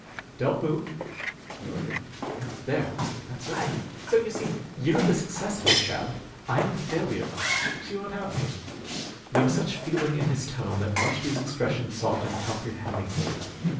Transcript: "Don't move," he ordered. "There, that's right. So, you see, you're the successful chap. I'm the failure. She won't have me." There was such feeling in his tone that Marshby's expression softened comprehendingly.